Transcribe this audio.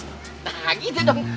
nah gitu dong